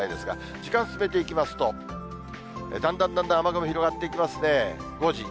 まだ関東平野、降ってないですが、時間進めていきますと、だんだんだんだん雨雲広がっていきますね。